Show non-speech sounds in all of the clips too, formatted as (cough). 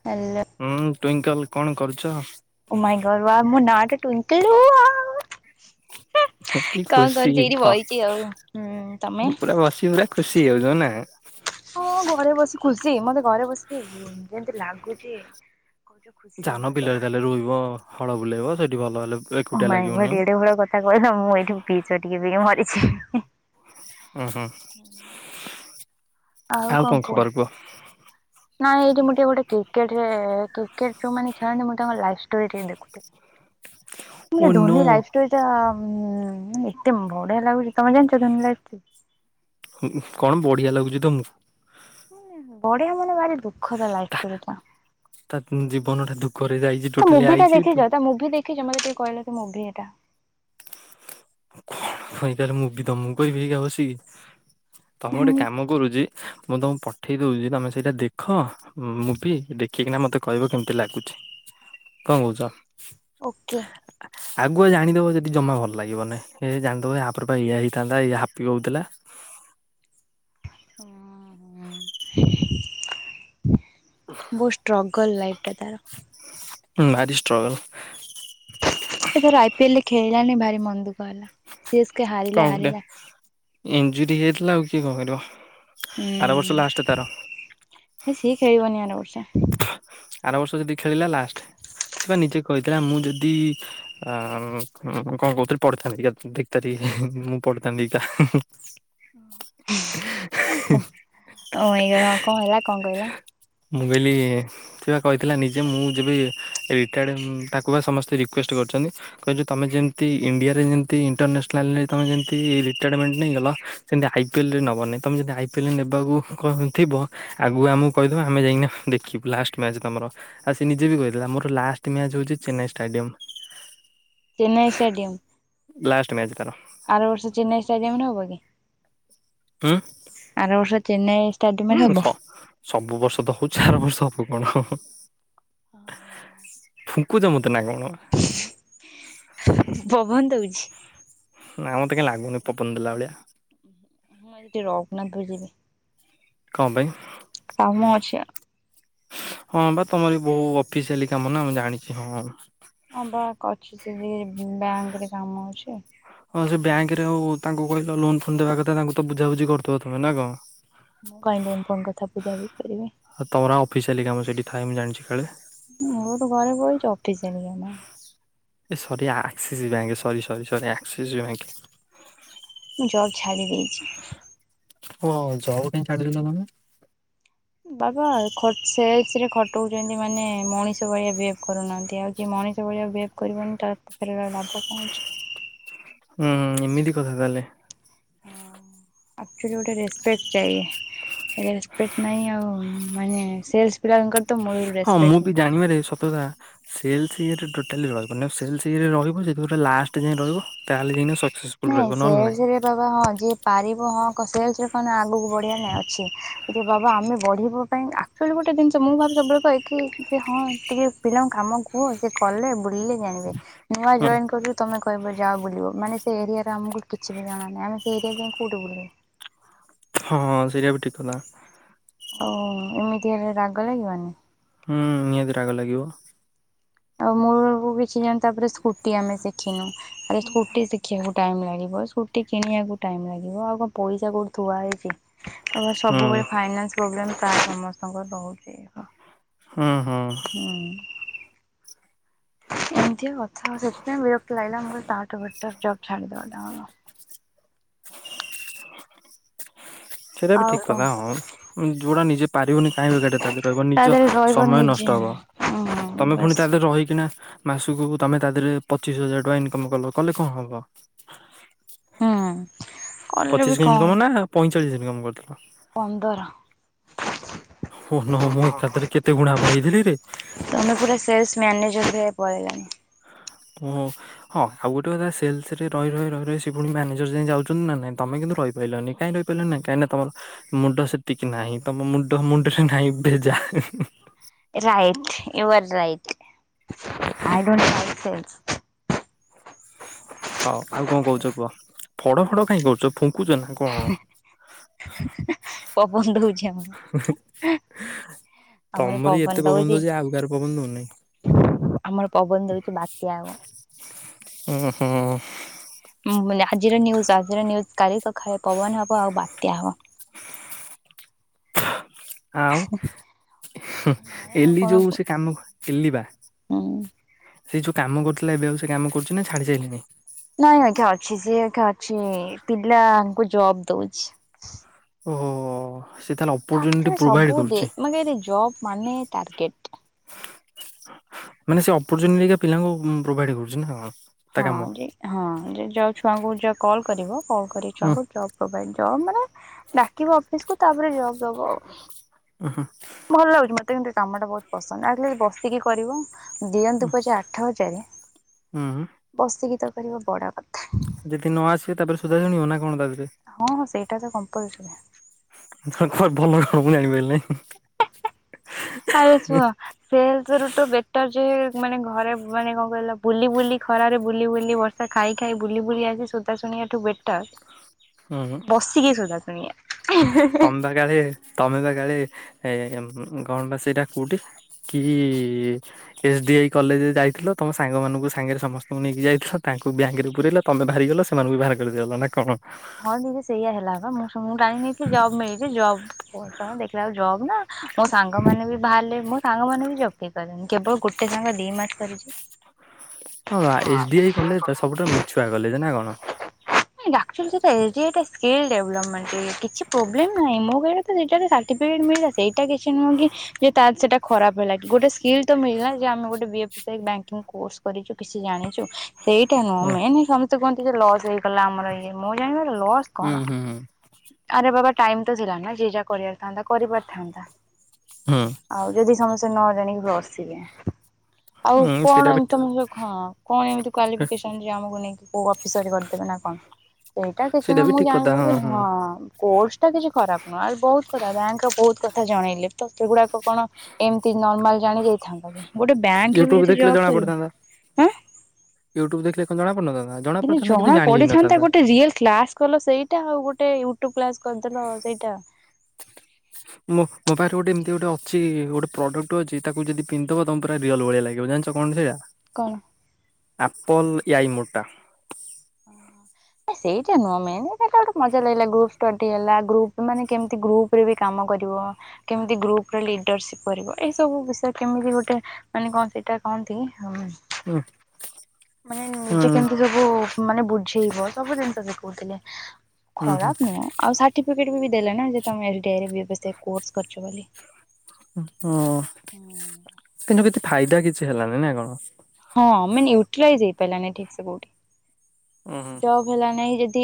(inaudible) ହୁଁ, ଟ୍ୱିଙ୍କଲ୍ କ'ଣ କରୁଚ? (inaudible) କି କ'ଣ ଖୁସି କରୁଚି, ଏଇଠି ହଁ ବଇଚି ଆଉ। ହୁଁ, ତମେ (inaudible) ଖୁସି ହେଇଯାଉ ନା। ହଁ, ଘରେ ବସି ଖୁସି ଘରେ ବସି ଯେ ଲାଗୁଚି। କହୁଚ ଖୁସି ହବା ଯାଉନ ଦ୍ୱାରା। ବିଲରେ ତା'ହେଲେ ରୁଇବ। ହଳ ବୁଲେଇବ ସେଇଠି ଭଲ ହେଲେ ଓ ଏକୁଟିଆ ମାଇଁ ଲାଗିବନି ଆଉ। ଏଡ଼େ ବଡ଼ କଥା କହିଲ, ମୁଁ ଏଇଠି ଟିକେ ପିଇକି (inaudible) ଆଉ ଙ୍କ କୁହ? ନାଇଁ, ଏଇଠି ମୁଁ ଟିକେ ଗୋଟେ କିର୍କେଟ୍ କିର୍କେଟ୍ ଯଉ ମାନେ ଖେଳନ୍ତି, ମୁଁ ତାଙ୍କ ଷ୍ଟୋରି ଟିକେ ଦେଖୁଥିଲି। Oh no Dhoni life story ଟା, ଏତେ ବଢ଼ିଆ ଲାଗୁଚି। ତମେ ଜାଣିଚ ଧୋନି ଲାଇପ୍ ଷ୍ଟୋରି? କ'ଣ ବଢ଼ିଆ ଲାଗୁଚି ତ ବଢ଼ିଆ ମାନେ ଭାରି ତା'ମୁଭି ଟା ଦେଖିଚ? ତା ଜୀବନ ଟା ଦୁଃଖରେ ଯାଇଛି ଟୋଟାଲି ଆଇଛି ତୁ ତା ମୁଭି (inaudible) କଁ କହଲେ ମୁଁ ବି ତ ମୁଁ କରିବିଇକା ବସିକି ତମେ ଗୋଟେ କାମ କରୁଛି। ମୁଁ ତମକୁ ପଠେଇ ଦଉଛି ତମେ ସେଇଟା ଦେଖ। ହୁଁ ମୁଁ ବି ଦେଖିକିନା ମତେ କହିବ କେମତି ଲାଗୁଛି କଣ କହୁଛ? ଓକେ। ଆଗୁଆ ଜାଣିଦବ ଯଦି ଜମା ଭଲ ଲାଗିବନ ଜାଣି ୟପ ଇା ହେଇଥାନ୍ତା ଇଏ ହାପି ହଉଥିଲା। ବହୁଷ୍ଟଷ୍ଟ। ଲ ଲାଇଫଟା ତର। ଭାରି ଷ୍ଟ୍ରଗଲ ଥର ଆଇ ପିଏଲରେ ଖେଳିଲାଣି ଭାରି ମନ୍ଦ ଦୁଃଖ ହେଲା୍। ସେିଷ କେ ହା କଣ କହିଲ ଇଞ୍ଜୁରରି ହେଇଥିଲା ଆଉ କିଏ କଣ କରିବ ଆର ବର୍ଷ ଲାଷ୍ଟ ତାର। ଏ ସି ଖେଳିବନି ଆର ବର୍ଷା ଆର ବର୍ଷ ଯଦି ଖେଳିଲା ଲାଷ୍ଟ ସେ ବା ନିଜେ କହିଥିଲା ମୁଁ ଯଦି ଆ କଣ କହୁଉଥିଥିଲ ପଢିଥାନ୍ତି ଦେଖାର ମୁଁ ପଢିଥାନ୍ତିା ଏଇ କଣ ହେଲା କଣ କହିଲ? ମୁଁ କହିଲି ଥିବା କହିଥିଲା ନିଜେ ମୁଁ ଯେବେ ରିଟାୟାର୍ଡ଼ ତାକୁ ବା ସମସ୍ତେ ରିକ୍ୱେଷ୍ଟ କରୁଛନ୍ତି। କହଛ ତମେ ଯେମିତି ଇଣ୍ଆରେ ଯେମତି ଇଣ୍ଟାସନାଲ ଲରେ ତମିତି ରିଟାୟାରମେଣ୍ଟ ନେଇ ଗଲ। ସେମିତି ଆଇ ପିଏଲ ରେ ନବନାଇଁ ତମେ ଯଦି ଆଇ ପିଏଲ ନେବାକୁ ଥିବ ଆଗୁ ଆମକୁ କହି ତେ ଆମେ ଯାଇକ ଦେଖିବୁ ଲଷ୍ଟ ମଚ ତମର ଆଉ ସେ ନିଜେ ବି କହିଥିଲା ଆମର ଲାଷ୍ଟ ମ୍ୟାଚ ହଉଛି Chennai stadium Chennai stadium. Last match ତାର ଆର ବର୍ଷ ଚେନ୍ନାଇ ଷ୍ଟାଡିୟମ ରେ ହବ କି? ଉଁ? ଆରର୍ଷ ଚେ ହୁଁ ସବୁ ବର୍ଷ ତ ହଉ ଚାର ବର୍ଷ ହବ କଣ ହ ହଁ ହଁ। ଫୁଙ୍କୁ ଜ ମୋତେନାେଣା। ପବନ ହଉଛି। ନା ମୋତେ କହିଁ ଲାଗୁନି ପପନ ଦେଲା ଭଳିଆ। ହଁ ଏଠି ରଗୁନାଥ ବ ଯିବି। କଣ ପାଇଁ? କାମ ଅଛି। ହଁ ବା ତମର ବି ବହୁ ଅଫିସିଆଲି କାମ ନା ମୁଁ ଜାଣିଛି ହଁ। ହଁ ବା ଅଛି ସେ ବ୍ୟାଙ୍କରେ କାମ ଅଛି। ହଁ ସେ ବ୍ୟାଙ୍କ ରେ ଆଉ ତାଙ୍କୁ କହିଲ ଲୋନ ଫୋନ୍ ଦେବା କଥା ତାଙ୍କୁ ତ ବୁଝାାବୁଝି କରିଦବ ତମେ ନା କଣ? ମୁଁ କହ ଫୋନ କଥା ବୁଝାଝି କରିବି। ହଁ ତମରାଫିସ ହେଲିକାମର ସେଇଠି ଥାଏ ମୁଁ ଜଣିଛି କଳେ ମୁଁ ତ ଘରେ ବଛି ଅଫିସିଲିଆଲି କାମ ଏ ସରି ଆକ୍ସିସ୍ ବ୍ୟା ସରି ସରି ସରି ଆକ୍ସିସ୍ ବି ବ୍ୟାଙ୍କ। ମୁଁ ଜର ଛାଡ଼ି ଦେଇଛି। ହଉଉ ଯଉ କ ପାଇଁ ପାଇଁ ଛାଡିଦଥିଲ ତମେ। ବାବା ସେଲସରେ ଖଟଛନ୍ତି ମାନେ ମଣିଷ ଭଳିଆ ବିହେ କରୁନାହାନ୍ତି ଆଉ ଯ ମଣିଷ ଭଳିଆ ବିହେଭ୍ କରିବନି ତ ପାଖରେ ଲାଭ ପାଉଛି। ହୁଁ ଏମିତି କଥା ତାହେଲେ। ଆଚୁ ଗୋଟେ ରେସପେକ୍ଟ ଯା ରେସ୍ପେକ୍ଟ ନାଇଁ ଆଉ ସେଲ୍ସ ପିଲାଙ୍କର ତ ମୂଳରୁ ହଁ ରେସପେକ୍ଟ ମୁଁ ନାହିଁ। ବି ଜାଣିବାରେ ସତକଥା। ସେଲ୍ସ ଇଏରେ ଟୋଟାଲି ରହିବନି ଆଉ ସେଲ୍ସ ଇଏରେ ରହିବ ଯଦି ପୁରା ଲାଷ୍ଟ ଯାଏ ରହିବ ତାହେଲେ ଯାଇ ନାଇଁ ସେଲ୍ସରେ ବାବା ହଁ ଯିଏ ପାରିବ ହଁ ସେଲ୍ସ ରେ ମାନେ ଆଗକୁ ବଢଆ ନାଇଁ ଅଛି। ଇରେ ବାବା ଆମେ ବଢ଼ିବା ପାଇଁ ଆକ୍ଚୁଆଲି ଗୋଟେ ଜିନିଷ ମୁଁ ଭାବେ ସବୁବେଳେ କହେ କି ହଁ ଟିକେ ପିଲାଙ୍କୁ କାମ କୁହ ସେ କଲେ ବୁଲିଲେ ଜାଣିବେ ନୂଆ ହୁଁ ଜଏନ କରୁଚି ତମେ କହିବ ଯା ବୁଲିବ ମାନେ ସେ ଏରିଆରେ ଆମକୁ କିଛି ବି ଜଣାନାହିଁ ଆମେ ସେ ଏରିଆ ରେ ଯାଇଁ କୋଉଠି ବୁଲିବୁ। ହଁ-ହଁ ସେଇଟା ବି ଠିକ୍ କଥା। ଓ ଏମିତି ହେଲେ ରାଗ ଲାଗିବନି। ହୁଁ ନିହାତି ରାଗ ଲାଗିବ। ଆଉ ମୂକୁ କିଛି ଜାଣ ତାପରେ ସ୍କୁଟି ଆମେ ଶିଖିନୁ। ଆରେ ସ୍କୁଟି ଶିଖିବାକୁ ଟାଇମ୍ ଲାଗିବ ସ୍କୁଟି କିଣିବାକୁ ଟାଇମ୍ ଲାଗିବ ଆଉ କଣ ପଇସା କୋଉଠି ଥୁଆ ହେଇଛି। ହୁଁ ସବୁବେଳେ ଫାଇନାନ୍ସ ପ୍ରୋବ୍ଲେ ପ୍ରାୟ ସମସ୍ତଙ୍କର ରହୁଛି। ହୁଁ ହୁଁ। ହୁଁ। ଏମିତି କଥା ସେଥିପାଇଁ ବିରକ୍ତି ଲାଗିଲା ମୋର ତାଠୁ ବେଟର ଜବ୍ ଛାଡିଦବା ଟା ସେଇଟା ବି ଆଉ ଠିକ୍ କଣ କଥା ହଁ। ଯୋଉଟା ନିଜେ ପାରିବନି କାହିଁ ବେକାରଟେ ତାଥିରେ ରହିବ ତା ନିଜ ଦେହରେ ରହିବ ସମୟ ନିଜେ ନଷ୍ଟ ହବ। ହୁଁ ତମେ ପୁଣି ବାସ୍ ତାଥିରେ ରହିକିନା ମାସକୁ ତମେ ତା ଦେହରେ ପଚିଶ ହଜାର ଟଙ୍କା ଇନକମ କଲ କଲେ କଣ ହବ। ହୁଁ କଲେ ବି ପଚିଶ କଣ ଇନକମ୍ ନା ପଇଁଚାଳିଶ ଇନକମ୍ କରିଥିଲ। ପନ୍ଦର। ଓନୋ ମୁଁ ଏକାଥରେ କେତେ ଗୁଣା ବଢେଇଥିଲି ରେ। ତମେ ପୁରା ସେଲସ ମ୍ୟାନିଜର ଭଳିଆ ପଳେଇଲଣି। ଓହୋ। ହଁ ଆଉ ଗୋଟେ କଥା ସେଲସରେ ରହି ରହି ରହି ରହ ସେ ପୁଣି ମ୍ୟାନେଜର ଯାଏ ଯାଉଛନ୍ତି ନା ନାଇଁ। ତମେ କିନ୍ତୁ ରହିପାଇଲନି କାଇଁ ରହି ନାଁ କାହିଁକି ନା ତମର ମୁଣ୍ଡ ସେତିକି ନାହିଁ ତମ ମୁଣ୍ଡ ମୁଣ୍ଡରେ ନାହିଁ ଭେଜା। Right you are right I don't like sales. ହୋଉ ଆଉ କଣ କହୁଛ କୁହ ଫଡ ଫଡ କାଇଁ କରୁଛ ଫୁଙ୍କୁଛ ନା। କଣ ପବନ ଦଉଚି ଆମର। ଆମର ତମରି ଏତେ ପବନ ଦଉଛି ଦଉଚି ଆଉ କାହାର ପବନ୍ ଦଉନି। ଆମର ପବନ ଦଉଚି ବାତ୍ୟା ହବ। ଓହୋ। ମାନେ ଆଜିର ନ୍ୟୁଜ୍ ଆଜିର ନ୍ୟୁଜ୍ କାଲି ସଖାଳେ ପବନ ହବ ଆଉ ବାତ୍ୟା ହବ। ଆଉ। ନାଇଁ ଆଉ ଏଲି କଣ କୁ ଯୋଉ ସେ କାମ ଏଲି ବା। ହୁଁ। ସେଇ ଯୋଉ କାମ କରୁଥିଲା ଏବେ ଆଉ ସେ କାମ କରୁଛି ନା ଛାଡି ସାଇଲାଣି? ନାଇଁ ଆଜ୍ଞା ଅଛି ସେ ଅକା ଅଛି ପିଲାଙ୍କୁ ଜବ୍ ଦଉଛି। ଓହୋ ସେ ତାନ ରେ ସବୁ ଦେ ମେ ଜବ୍ ମାନେ ଟାର୍ଗେଟ। ମାନେ ସେ ଅପରଚୁନିଟି ପିଲାଙ୍କୁ ପ୍ରୋଭାଇଡ କରୁଛି ନା କଣ। ତା ହଁ କାମ ଯେ ହଁ ଯେ ଯ ଛୁଆଙ୍କୁ କଲ୍ କରିବ। କଲ୍ କରି ହୁଁ ଛୁଆଙ୍କୁ ଜବ୍ ପ୍ରୋଭାଇଡ୍ ଜବ୍ ମାନେ ଡାକିବ ଅଫିସକୁୁ ତାପରେ ଜବ୍ ଦବ ଆଉ। ଓହୋ। ଭଲ ଲାଗୁଛି ମତେ କିନ୍ତୁ କାମଟା ବହୁତ ପସନ୍ଦ ଆଟ ଲିଷ୍ଟ ବସିକି କରିବ। ଦିଅନ୍ତୁ ପଛେ ଆଠ ହଜାର ହୁଁ ବସିକି ତ କରିବ ବଡ କଥା। ଯଦି ନ ଆସିବ ତାପରେ ସୁଧା ଶୁଣିବ ନା କଣ ତାପରେ। ହଁ-ହଁ ସେଇଟା ତ କମ୍ପଲ୍ସରୀ। ଭଲ କଣ ମୁଁ ଜଣିପାଇଲି ନାଇଁ। ଆରୁ ଶୁଅ। ସେଲସ ରୁ ତ ବେଟର ଯେ ମାନେ ଘରେ ମାନେ କଣ କହିଲ ବୁଲି ବୁଲି ଖରାରେ ବୁଲି ବ ଖାଇ ଖାଇ ବୁଲି ବୁଲି ଆସି ସୋଦା ଶୁଣିବାଠୁ ବେଟର ହୁଁ। ବସିକି ସୋଦ ଶୁଣିବା। ତମେ ବା କାଳେ ତମେ ବା କାଳେ ଏ କଣ ବା ସେଟା କୁଠି କି ଏସ୍ ଡି ଆଇ କଲେଜରେ ଯାଇଥିଲ। ତମ ସାଙ୍ଗ ମାନଙ୍କୁ ସାଙ୍ଗରେ ସମସ୍ତଙ୍କୁ ନେଇକି ଯାଇଥିଲ। ତାଙ୍କୁ ବ୍ୟାଙ୍କରେ ପୁରେଇଲ। ତମେ ବାହାରିଗଲ ସେମାନଙ୍କୁ ବି ବାହାର କରିଦେଇଗଲ ନା କଣ? ହଁ ଦିଦି ସେଇଆ ହେଲା ବା ମୁଁ ଟାଣିକି ନେଇଥିଲି ଜବ୍ ମିଳିଛି ଜବ ଦେଖିଲା ଜବ୍ ନା ମୋ ସାଙ୍ଗ ମାନେ ବି ବାହାରିଲେ ମୋ ସାଙ୍ଗ ମାନେ ବି ଜବ୍ କେହି କଲେନି କେବଳ ଗୋଟେ ସାଙ୍ଗ ଦି ମାସ କରିଛି। ହଁ ବା ଏସ୍ ଡି ଆଇ କଲେଜ୍ ଟା ସବୁଠାରୁ ମିଛୁଆ କଲେଜ୍ ନା କଣ? ନାଇଁ ଆକଚୁଆଲି ସେଇଟା ଏ ସ୍ ଡି ଏ ଟା ସ୍କିଲ୍ ଡେଭଲପମେଣ୍ଟ କିଛି ପ୍ରବ୍ଲେମ ନାହିଁ। ମୋ କହିବା କଥା ସେଇଟା ସାର୍ଟିଫିକେଟ ମିଳିଲା ସେଇଟା କିଛି ନୁହଁ କି ତା ସେଟା ଖରାପ ହେଲା କି ଗୋଟେ ସ୍କିଲ୍ ତ ମିଳିଲା ଯେ ଆମେ B F S I banking course କରିଛୁ କିଛି ଜାଣିଛୁ। ସେଇଟା ନୁହଁ ଓ ମେନ ସମସ୍ତେ କୁହନ୍ତି ଯେ ଲସ୍ ହେଇଗଲା ଆମର ଇଏ ମୁଁ ଜାଣିବାରେ ଲସ୍ ହୁଁ କଣ? ହୁଁ ହୁଁ। ଆରେ ବାବା ଟାଇମ ତ ଥିଲା ନା ଯିଏ ଯାହା କରିବାରଥାନ୍ତା କରିପାରିଥାନ୍ତା। ହୁଁ ଆଉ ଯଦି ସମସ୍ତେ ନ ଜାଣିକି ବସିବେ ଆଉ ହୁଁ ସେଇଟା କଣ ବି ଏମିତି ତମ ହଁ କଣ ଏମତି କ୍ୟୁାଲିପିକେଶନ ଆମକୁ ନେଇକି କୋଉ ଅଫିସରି କରିଦେବେ ନା କଣ ସେଇଟା କିଛି ନା ବି ମୁଁ ଠିକ କଥା ଜାଣିପାରି ହୁଁ। ହଁ। କୋର୍ସ ଟା କିଛି ଖରାପ ନୁହଁ ଆ ବହୁତୁ କଥା ବ୍ୟାଙ୍କ ର ବହୁତ କଥା ଜଣେଇଲେ ତ ସେଗୁଡାକ କଣ ଏମିତି ନର୍ମାଲ ଜାଣି ଯାଇଥାନ୍ତା କି ଗୋଟେ ବ୍ୟାଙ୍କରେ ବି ୟୁଟ୍ୟୁବ ଯଦି ଦେଖିଲେ ଜବ କରିବ ଏଁ। ୟୁ୍ଟୁବୁ ଦେଖିଲେ କଣ ଜଣା ପଢ଼ୁନଥାନ୍ତା‌। କିଛି ଜଣା ପଢିଥାନ୍ତା ଗୋଟେ ରିଏଲ କ୍ଲାସ କଲ ସେଇ ସେଇଟା ଆଉ ଗୋଟେ ୟୁଟ୍ୟୁବ କ୍ଲାସ କରିଦେଲ ସେଇଟା। ମୋ ମୋପାଖରେ ଗୋଟେ ଅଛି ଗୋଟେ ପ୍ରଡକ୍ଟ ଅଛି ତାକୁ ଯଦି ପିନ୍ଧି ଦେବ ତମ ପୁରା ରିଅଲ ଭଳିଆ ଲାଗିବ। ଜାଣି ତ କଣ ସେଇଟା କଣ? ଆପଲ ଏୟଈ ମୋଟା। ଓହ ସେଇଟା ନୁହଁ ମେନ୍ ହେଲା ମଜା ଲାଗିଲା ଗ୍ରୁପ ଷ୍ଟଡି ହେଲା ଗ୍ରୁପ ମାନେ କେମିତି ଗ୍ରୁପ ଉପରେ ବି କାମ କରିବ କେମିତି ଗ୍ରୁପ୍ର ଲିଡ଼ରସିପ୍ କରିବ ଏସବୁ ବିଷୟରେ କେମିତି ଗୋଟେ ମାନେ କଣ ସେଇଟା କହନ୍ତି ହସି ହୁଁ। ମାନେ ହୁଁ। ନିଜେ କେମିତି ସବୁ ମାନେ ବୁଝେଇବ ସବୁ ଜିନିଷ ଶିଖଉଥିଲେ। ହୁଁ ହୁଁ ଖରାପ ନୁହଁ ଆଉ ସାଟିଫିକେଟ ବି ଦେଲେ ନା ଯେ ତମେ ମେରିଟି ଆଇ ରେ କୋର୍ସ୍ କରିଛ ବୋଲି। ହଁ କିନ୍ତୁ କିଛି ଫାଇଦା କିଛି ହେଲାନି ନା କଣ? ହଁ ମାନେ ୟୁଟିଲାଇଜ୍ ହେଇ ପାଇଲାନି ଠିକ ସେ କୋଉଠି। ଉଁ ହୁଁ ଯବ୍ ହେଲା ନାଇଁ ଯଦି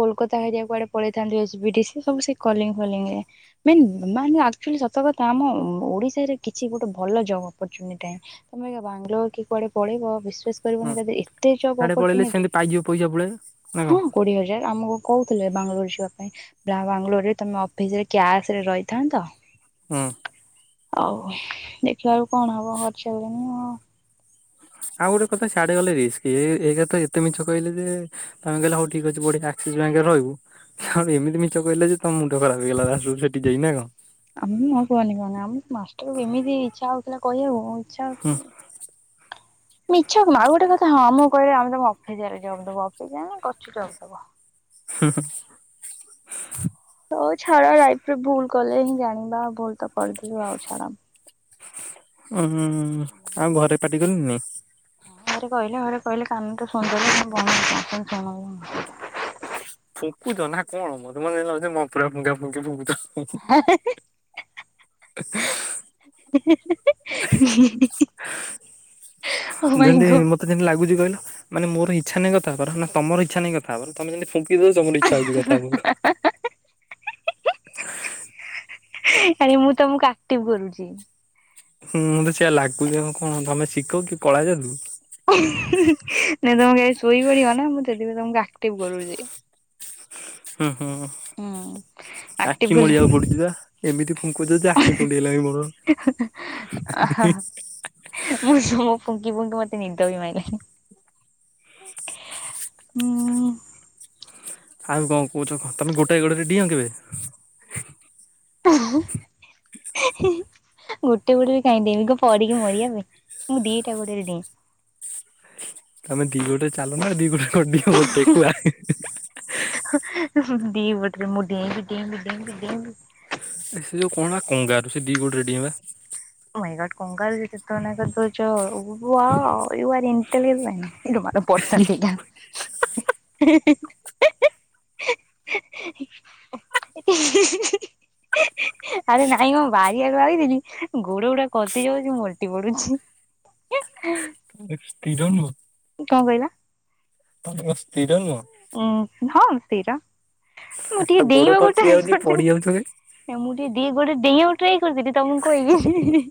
କୋଲକାତା ହେରିକା କୁଆଡେ ପଳେଇଥାନ୍ତି ଏଶ୍ ପି ଡି ସି ସବୁ ସେଇ କଲିଙ୍ଗି ଫଲିଙ୍ଗି ରେ ନାଇ ମାନେ ଆକ୍ଚୁଆଲି ସତକଥା ଆମ ଓଡ଼ିଶାରେ କିଛି ଗୋଟେ ଭଲ ଜବ୍ ଅପର୍ଚ୍ୟୁନିଟି ତମେ ବାଙ୍ଗଲୋ କି କୁଆଡେ ପଢିବ ବିଶ୍ୱାସ କରିବନି ହୁଁ ତା ଦେହରେ ଏତେ ଜବ୍ ହାଡେ ପଳେଇଲେ ଅପରଚୁନିଟି ସେମିତି ପାଇଯିବ ପଇସା ପଳେଇ ନା କଣ? ହଁ କୋଡିଏ ହଜାର ଆମକୁ କହୁଥିଲେ ବାଙ୍ଗାଲୋର ଯିବା ପାଇଁ। ବ୍ରା ବାଙ୍ଗଲୋର ରେ ତମେ ଅଫିସିରେ କ୍ୟାସ ରେ ରହିଥାନ୍ତ। ହୁଁ। ଆଉ ଦେଖିବାକୁ କଣ ହବ ଘରେ ଛାଡ଼ିଲେଣି ଆଉ। ଆଉ ଗୋଟେ କଥା ସିଆଡେ ଗଲେ ରିସ୍କ ଏ ଏକ ରେ ଏତେ ମିଛ କହିଲେ ଯେ ତମେ କହିଲେ ହଉ ଠିକ ଅଛି ବଢିଆ ଆକ୍ସିସ୍ ବଙ୍କରେ ରହିବୁ ଏମିତି ମିଛ କହିଲେ ଯେ ତମ ମୁଣ୍ଡ ଖରାପ ହେଇଗଲା ଲାଷ୍ଟ କୁ ସେଠି ଯାଇ ନା କଣ? ଆମ କୁହନି କୁହନି ଆମ ମାଷ୍ଟର ଏମିତି ଇଚ୍ଛା ହଉଥିଲା କହିବାକୁ ଛ ମିଛକ ନୁହଁ ଆଉ ଗୋଟେ କଥା ହଁ ମୁଁ କହିଲେ ଆମେ ତମକୁ ଅଫିସିଆଲି ଜବ୍ ଦବୁ, ଅଫିସିଆଲି ନା କଚୁ ଜବ୍ ଦବ। ହୁଁ ହୁଁ। ହଉ ଛାଡ ଲାଇଫରେ ଭୁଲ କଲେ ହିଁ ଜାଣିବା, ଭୁଲ ତ କରିଦେଲୁ ଆଉ ଛାଡ। ଉଁ ହୁଁ ହୁଁ ହୁଁ ହୁଁ। ଆଉ ଘରେ ପାଟି କଲେନେଇ? ଘରେ କହିଲେ ଘରେ କହିଲେ କାନଟା ସୁନ୍ଦର (inaudible) ଶୁଣୁନୁ। ଫୁଙ୍କୁଛ ନା କଣ ମତେ ମତେ ଯେମତି ଲାଗୁଛି ମନ୍ତୁରା ଫୁଙ୍କା ଫୁଙ୍କି ଫୁଙ୍କୁଛ। (inaudible) ଓ ମାଇଁ ଯେନ୍ତି ଗଡ୍ ମତ ମତେ ଯେମତି ଲାଗୁଛି କହିଲ ମାନେ ମୋର ଇଚ୍ଛା ନାହିଁ କଥା ହବାର, ନା ତମର ଇଚ୍ଛା ନାହିଁ କଥା ହବାର। ତମେ ଯେମତି ଫୁଙ୍କୁ କିନ୍ତୁ ତମର ଇଚ୍ଛା ହଉଛି କଥା ହେବାକୁ। ଆରେ ମୁଁ ତମକୁ ଆକ୍ଟିଭ କରୁଛି। ହୁଁଁ ମୁଁ ତ ସେଇଆ ଲାଗୁଛି, କଣ ତମେ ଶିଖ କି କଳା ଯାଦୁ? ନାଇଁ ତମେ କାଏ ଶୋଇ ପଡିବ ନା, ମୁଁ ସେଥିପାଇଁ ତମକୁ ଆକ୍ଟିଭ କରଉଛି। ହୁଁ ହୁଁ ହୁଁ। ଆକ୍ଟିଭ ଆଖି କଲେ ମଳିିବାକୁ ପଡୁଚି ବା। ଏମିତି ଫୁଙ୍କୁଚ ଯେ ଆଖି କୁଣ୍ଡେଇ ହେଲାଇଁ ମୋର। ଅ ହ। ମୁଁ ନୁହଁ ମୁଁ ଫୁଙ୍କି ଫୁଙ୍କି ମତେ ନିଦ ବି ମାଇଲାଇ। ହୁଁ। ଆଉ କଣ କହୁଛ, ତମେ ଗୋଟାଇ ଗୋଡ଼ରେ ଡିଅଁ କେବେ? ଓହୋ ଗୋଟେ ଗୋଡରେ କାହିଁ ଡେଇଁମି, କଣ ପଡିକି ମରିିବା ପାଇଁ, ମୁଁ ଦିଟା ଗୋଡରେ ଡିଏଁ। ତମେ ଦି ଗୋଡରେ ଚାଲ ନା, ଦି ଗୋଡରେ କଣ ଡିଅଁ କଣ ଠେକୁଆ? ଦି ପଟରେ ମୁଁ ଡିଏଁ। ଡେଇଁବି, ଡେଇଁବି, ଡେଇଁବି, ଡେଇଁବି ଏ ସେ ଯୋଉ କଣ ବା କଙ୍ଗାରୁ, ସେ ଦି ଗୋଡ଼ରେ ଡିଏଁ ବା। My god, କଙ୍କାଲ (unintelligible) ଶୋଇଚ wow you are intelligent. ଇଲୋ ମାଆଲୋ ପଚା କେଇଟା, ହି ହି ହି, ହି ହି (inaudible) ଆରେ ନାଇଁ ମୁଁ ବାରିଆରକୁ ଆଇଥିଲି ଗୋଡ ଗୁଡା ଖସି ଯାଉଛି ମୁଁ ଓଲଟି ପଡୁଛି। ସ୍ଥିର ନୁହଁ? କଣ କହିଲ? ତମେ କଣ ସ୍ଥିର ନୁହଁ? ଉଁ ହଁ, ମୁଁ ସ୍ଥିର। ମୁଁ ଆଉ ଟିକେ ଗୋଡ ଡେଇଁବା କଣ ଗୋଟେ ଚିଆ ହଉଛି ଗୋଟେ ପଡି ଯାଉଛ ବେ। ମୁଁ ଟିକେ ଡିଏଁ ଗୋଡେ ଡିଏଁ ଗୋଟେ ସେଇଥିପାଇଁ କହୁଥିଲି ତମକୁ କହିବି,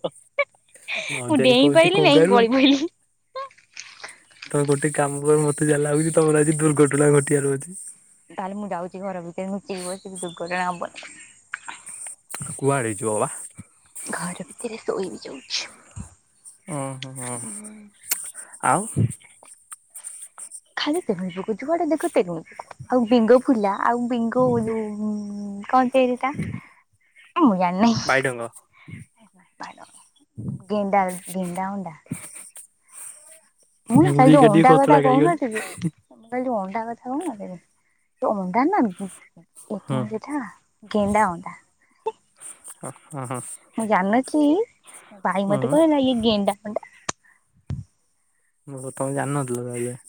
ନ ମୁଁ ଜାଣି ଡେଇଁ କହୁଛି ପାଇଲିନେଇଁ କଙ୍ଗାରୁ। ଗଳି ପଇଲି। ତମେ ଗୋଟେ କାମ କର, ମତେ ଯାହା ଲାଗୁଛି ତମର ଆଜି ଦୁର୍ଘଟଣା ଘଟିଆର ଅଛି। ତାହେଲେ ମୁଁ ଯାଉଛି ଘର ଭିତରେ ମୁଁ ନୁଚିକି ବସିବି ଦୁର୍ଘଟଣା ହବନି। କୁଆଡେ ଯିବ ବା? ଘର ଭିତରେ ଶୋଇବି ଯାଉଛି। ଉଁ ହୁଁ ଉଁ ହୁଁ। ଆଉ ଖାଲି ତେଲୁଣି ପୋକ ଯୁଆଡ଼େ ଦେଖ ତେଲୁଣି ପୋକ। ଆଉ ବେଙ୍ଗ ଫୁଲା ଆଉ ବେଙ୍ଗ ଯୋଉ କଣ ସେଇଟା ମୁଁ ଜାଣି ନାହିଁ। ବାଇଡଙ୍ଗ। ଗେଣ୍ଡା ଗେଣ୍ଡା ଅଣ୍ଡା? (inaudible) ମୁଁ ନା କାଲି ବି ଏକା ଯୋଉ ଟିକେ ଅଣ୍ଡା କଚଡା କଥା ଖାଇଗଲି। କହୁନଥିଲି ମୁଁ କାଲି ଯୋଉ ଅଣ୍ଡା କଥା କହୁନଥିଲି, ତ ଅଣ୍ଡା ନା ହୁଁ ଏକଥା ଗେଣ୍ଡା ଅଣ୍ଡା। ହୁଁ ହୁଁ। ମୁଁ ଜାଣିନଥିଲି, ମୋ ବାଇ ମତେ କହିଲା ଇଏ ଗେଣ୍ଡା ଅଣ୍ଡା। ଓହୋ। ତମେ ଜାଣିନଥିଲ ତାହେଲେ?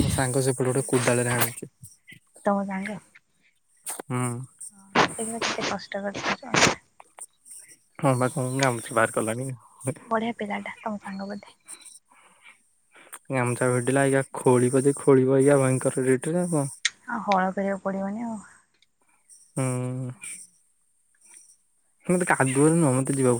ମୋ ସାଙ୍ଗ ସେପଟେ ଗୋଟେ କୋଦାଳ ରେ ହାଣୁଛି। ତମ ସାଙ୍ଗ? ହୁଁ। ଦେଖିଲ କେତେ କଷ୍ଟ କରିଥା ହଁ ବା କଣ ଗାମୁଛା ବାହାର କଲାଣି। ବଢ଼ିଆ ପିଲାଟା ତମ ସାଙ୍ଗ ବୋଧେ? ଗାମୁଛା ଭିଡିଲା ଅଇକା ଖୋଳିବଜେ ଖୋଳିବ ଅଇକା ଭୟଙ୍କର ରେଟରେ ଆଉ କଣ। ଆଉ ହଳ କରିବାକୁ ପଡିବନି ଆଉ। ହୁଁ। ମତେ କାଦୁଅରେ ନୁହ ମତେ ଯିବାକୁ